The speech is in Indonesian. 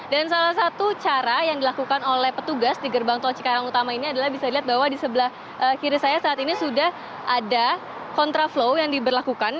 dan salah satu cara yang dilakukan oleh petugas di gerbang tol cikarang utama ini adalah bisa dilihat bahwa di sebelah kiri saya saat ini sudah ada kontraflow yang diberlakukan